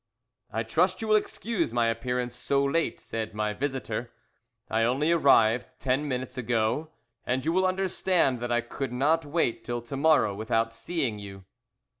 "I trust you will excuse my appearance so late," said my visitor; "I only arrived ten minutes ago, and you will understand that I could not wait till tomorrow without seeing you."